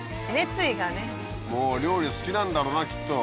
もう料理好きなんだろなきっと。